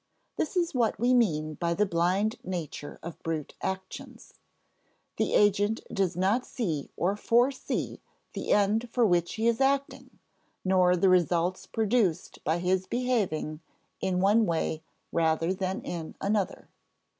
This is what we mean by the blind nature of brute actions. The agent does not see or foresee the end for which he is acting, nor the results produced by his behaving in one way rather than in another.